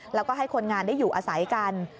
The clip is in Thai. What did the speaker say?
แล้วก็ให้คนงานได้อยู่อาศัยกัน